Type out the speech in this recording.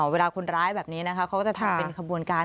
เวลาคนร้ายแบบนี้นะคะเขาก็จะทำเป็นขบวนการ